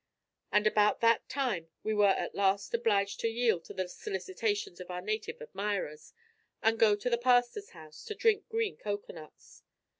And about that time we were at last obliged to yield to the solicitations of our native admirers, and go to the pastor's house to drink green cocoanuts.